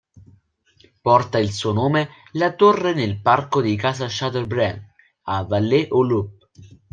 Porta il suo nome la torre nel parco di casa Chateaubriand a Vallée-aux-Loups.